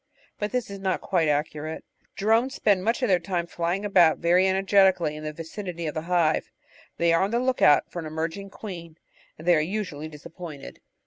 But this is not quite accurate. Drones spend much of their time flying about very energetically in the vicinity of the hive. They are on the look out for an emerging queen, and they are usually disappointed.